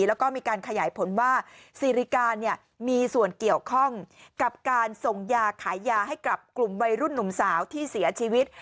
แล้วก็มีการขยายผลว่าสิริการมีส่วนเกี่ยวข้องกับการส่งยาขายยาให้กับกลุ่มวัยรุ่นหนุ่มสาวที่เสียชีวิต